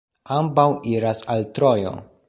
Ambaŭ iras al Trojo.